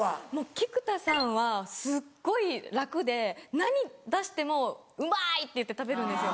菊田さんはすっごい楽で何出しても「うまい」って言って食べるんですよ。